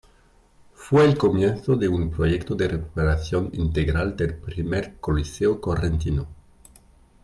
Fue el comienzo de un proyecto de recuperación integral del primer coliseo correntino.